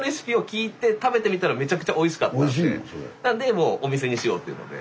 でお店にしようっていうので。